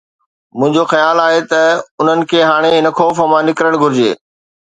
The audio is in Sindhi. منهنجو خيال آهي ته انهن کي هاڻي هن خوف مان نڪرڻ گهرجي.